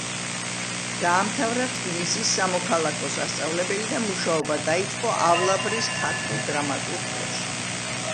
დაამთავრა თბილისის სამოქალაქო სასწავლებელი და მუშაობა დაიწყო ავლაბრის ქართულ დრამატულ წრეში.